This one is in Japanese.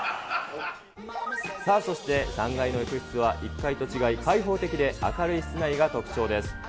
さあ、そして３階の浴室は、１階と違い、開放的で明るい室内が特徴です。